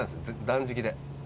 断食で。